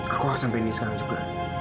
aku sampai ini sekarang juga